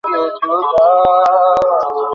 যাওয়ার সময় হয়েছে!